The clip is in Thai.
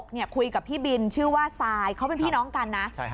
คุยกับพี่บินชื่อว่าทรายเขาเป็นพี่น้องกันนะ